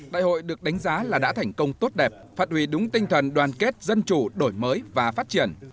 đại hội được đánh giá là đã thành công tốt đẹp phát huy đúng tinh thần đoàn kết dân chủ đổi mới và phát triển